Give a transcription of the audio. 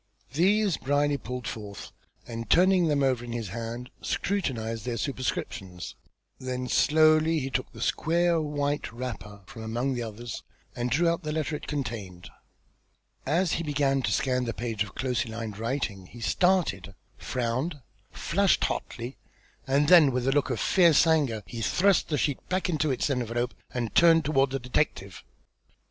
These Brierly pulled forth, and turning them over in his hand, scrutinised their superscriptions. Then slowly he took the square white wrapper from among the others, and drew out the letter it contained. As he began to scan the page of closely lined writing he started, frowned, flushed hotly, and then with a look of fierce anger he thrust the sheet back into its envelope, and turned toward the detective.